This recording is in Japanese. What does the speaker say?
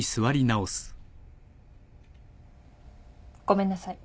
ごめんなさい。